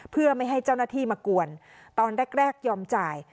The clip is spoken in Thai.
เพื่อไม่ให้เจ้าหน้าที่มากวนตอนแรกยอมจ่าย